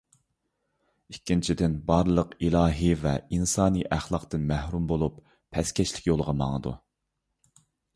ئىككىنچىدىن، بارلىق ئىلاھىي ۋە ئىنسانىي ئەخلاقتىن مەھرۇم بولۇپ، پەسكەشلىك يولىغا ماڭىدۇ.